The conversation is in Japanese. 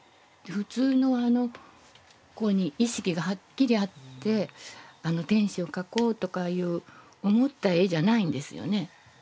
普通のこういうふうに意識がはっきりあってあの天子を描こうとかいう思った絵じゃないんですよね。